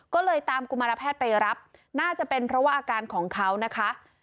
ก็เลยตามกุมารแพทย์ไปรับน่าจะเป็นเพราะว่าอาการของเขานะคะ